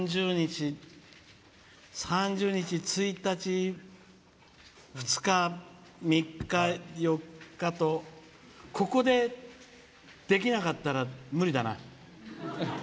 ３０日１日、２日３日、４日とここでできなかったら無理だな。